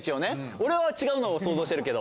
俺は違うのを想像してるけど。